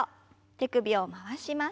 手首を回します。